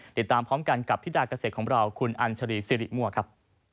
ติดตามพร้อมกันกับธิดาเกษตรของเราคุณอัญชรีสิริมั่วครับ